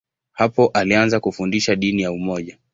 Hapo alianza kufundisha dini ya umoja.